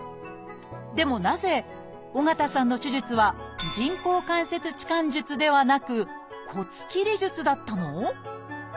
でもなぜ緒方さんの手術は人工関節置換術ではなく骨切り術だったの？